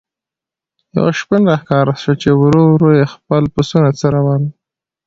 یو شپون را ښکاره شو چې ورو ورو یې خپل پسونه څرول.